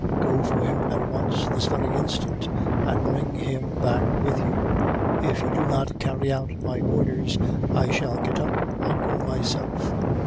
Go for him, at once, this very instant, and bring him back with you. If you do not carry out my orders, I shall get up and go myself.